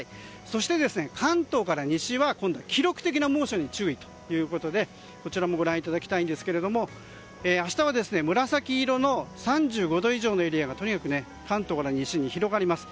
そして、関東から西は記録的な猛暑に注意ということでこちらご覧いただきたいんですが明日は紫色の３５度以上のエリアがとにかく関東から西に広がります。